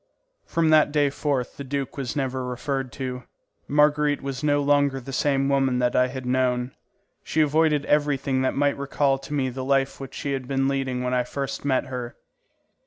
From that day forth the duke was never referred to. Marguerite was no longer the same woman that I had known. She avoided everything that might recall to me the life which she had been leading when I first met her.